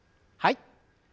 はい。